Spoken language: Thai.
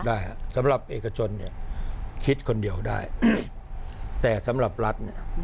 ได้ฮะสำหรับเอกชนเนี่ยคิดคนเดียวได้แต่สำหรับรัฐเนี่ย